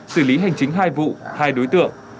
xử lý hành chính hai vụ hai đối tượng